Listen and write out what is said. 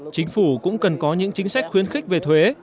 chính phủ cũng cần có những chính sách khuyến khích về thuế